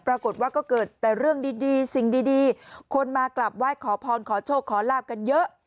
ปรากฏว่าก็เกิดแต่เรื่องดีสิ่งดีคนมากลับไหว้ขอพรขอโชคขอลาบกันเยอะ